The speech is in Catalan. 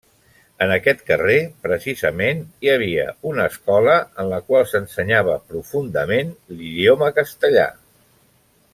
En aquest carrer, precisament, hi havia una escola en la qual s'ensenyava profundament l'idioma castellà.